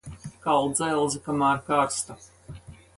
Kal dzelzi, kamēr karsta.